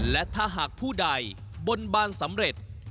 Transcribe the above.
และถ้าหากผู้ใดบนบานสำเร็จ